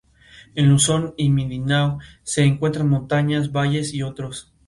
En Luzón y Mindanao se encuentran montañas, valles y otros.